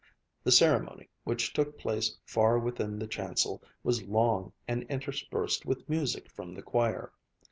The ceremony, which took place far within the chancel, was long and interspersed with music from the choir.